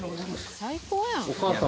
最高やん。